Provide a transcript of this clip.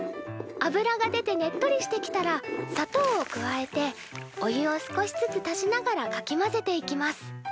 油が出てねっとりしてきたら砂糖を加えてお湯を少しずつ足しながらかき混ぜていきます。